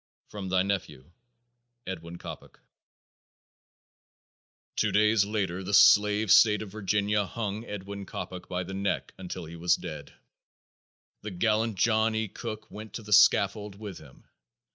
From thy nephew, EDWIN COPPOCK. Two days later the slave state of Virginia hung Edwin Coppock by the neck until he was dead. The gallant John E. Cook went to the scaffold with him.